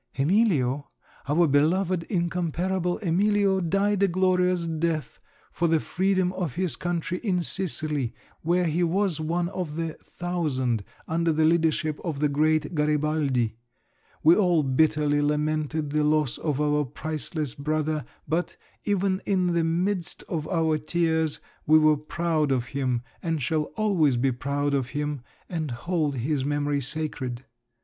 "Emilio, our beloved, incomparable Emilio, died a glorious death for the freedom of his country in Sicily, where he was one of the 'Thousand' under the leadership of the great Garibaldi; we all bitterly lamented the loss of our priceless brother, but, even in the midst of our tears, we were proud of him—and shall always be proud of him—and hold his memory sacred!